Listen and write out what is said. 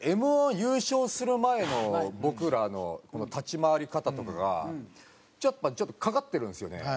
Ｍ−１優勝する前の僕らの立ち回り方とかがちょっとやっぱかかってるんですよね。